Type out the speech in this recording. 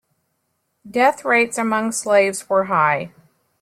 Death rates among slaves were high.